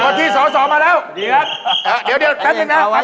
ขนตัวขนตัวค่ะขนมีอะไรไหม